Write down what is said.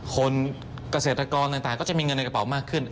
เกษตรกรต่างก็จะมีเงินในกระเป๋ามากขึ้น